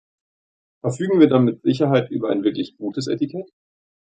Verfügen wir dann mit Sicherheit über ein wirklich gutes Etikett?